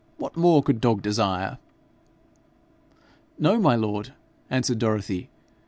What more could dog desire?' 'No, my lord,' answered Dorothy.